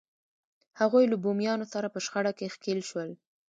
هغوی له بومیانو سره په شخړه کې ښکېل شول.